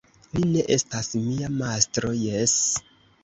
Li ne estas mia mastro, jes!